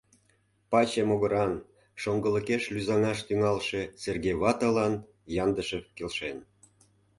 Паче могыран, шоҥгылыкеш лӱзаҥаш тӱҥалше Серге ватылан Яндышев келшен.